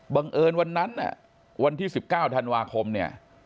เอิญวันนั้นวันที่๑๙ธันวาคมเนี่ย